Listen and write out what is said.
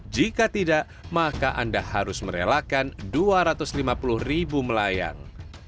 jika tidak maka anda harus merelakan dua ratus lima puluh ribu melayang